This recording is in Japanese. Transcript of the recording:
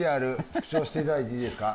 復唱していただいていいですか？